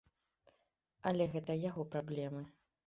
Але гэта яго праблемы.